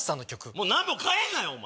もう何も替えんなよお前。